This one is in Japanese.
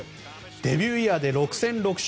デビューイヤーで６戦６勝。